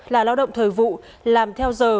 là lao động thời vụ làm theo giờ